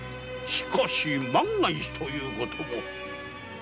しかし万が一ということも。